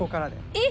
えっ？